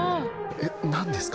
「えっ何ですか？」